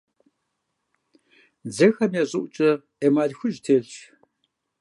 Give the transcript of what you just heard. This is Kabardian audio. Дзэхэм я щӀыӀукӀэ эмаль хужь телъщ.